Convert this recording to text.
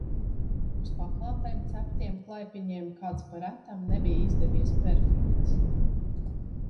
Uz paplātēm ceptiem klaipiņiem kāds, pa retam, nebija izdevies perfekts.